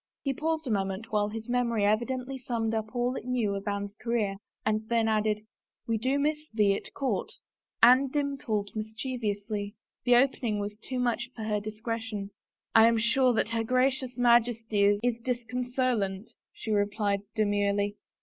He paused a moment while his memory evidently summed up all it knew of Anne's career and then added, " We do miss thee at court." Anne dimpled mischievously. The opening was too much for her discretion. " I am sure that her Gracious Majesty is disconso late !" she replied demurely.